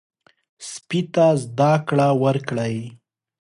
سپي ته زده کړه ورکړئ.